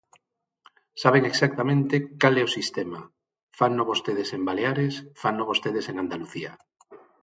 Saben exactamente cal é o sistema, fano vostedes en Baleares, fano vostedes en Andalucía.